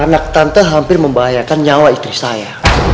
anak tante hampir membahayakan nyawa istri saya